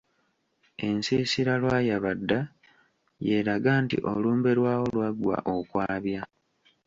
Ensiisira Lwayabadda y'eraga nti olumbe lwawo lwaggwa okwabya.